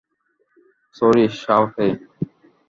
Sorry, শাওহেই।